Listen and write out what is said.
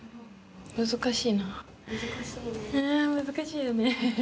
ねえ難しいよね。